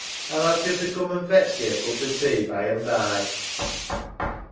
A'U ask her to coom an' fetch thee a coop o' tea by an' bye.